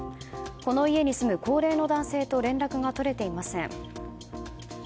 この家に住む高齢の男性と連絡が取れていません。